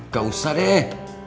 gak usah deh